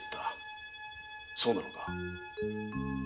そうなのか？